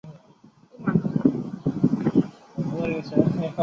描写教会住宿制女子中学学生们间的亲密交流。